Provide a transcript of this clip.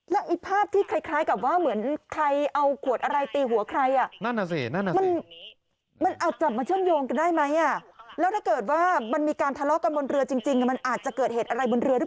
แล้วภาพที่คล้ายกับว่าเหมือนใครเอาขวดอะไรตีหัวใคร